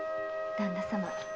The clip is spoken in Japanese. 旦那様。